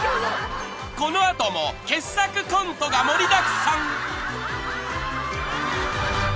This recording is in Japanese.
［この後も傑作コントが盛りだくさん！］